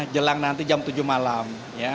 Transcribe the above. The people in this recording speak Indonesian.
jelang nanti jam tujuh malam